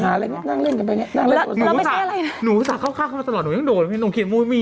ขาเล่นนั่งเล่นกันแบบนี้นั่งเล่นกับเขาหนูหนูสาเข้าข้าวเข้ามาตลอดหนูยังโดนหนูเขียนมูลมี